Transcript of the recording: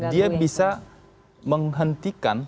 dia bisa menghentikan